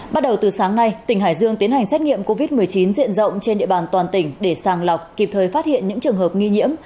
bắt đầu từ sáng nay tỉnh hải dương tiến hành xét nghiệm covid một mươi chín diện rộng trên địa bàn toàn tỉnh để sàng lọc kịp thời phát hiện những trường hợp nghi nhiễm